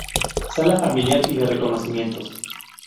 Sala familiar y de reconocimientos.